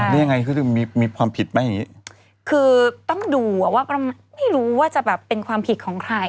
นี่ยังไงคือมีความผิดมั้ยคือต้องดูอ่ะว่าไม่รู้ว่าจะแบบเป็นความผิดของใคร